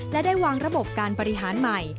และได้วางระบบการบริหารใหม่